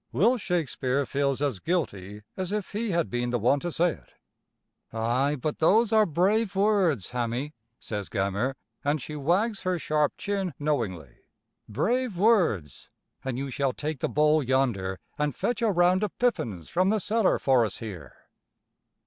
Will Shakespeare feels as guilty as if he had been the one to say it. "Ay, but those are brave words, Hammie," says Gammer, and she wags her sharp chin knowingly; "brave words. An' you shall take the bowl yonder and fetch a round o' pippins from the cellar for us here.